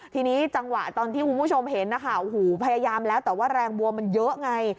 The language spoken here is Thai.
ทีนี้จังหวะตอนที่คุณผู้ชมเห็นนะคะโอ้โหพยายามแล้วแต่ว่าแรงบัวมันเยอะไง